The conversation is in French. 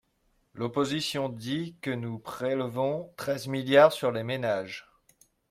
L’opposition dit que nous prélevons treize milliards sur les ménages.